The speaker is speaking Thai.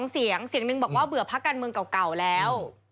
เสียงเสียงหนึ่งบอกว่าเบื่อพักการเมืองเก่าแล้ว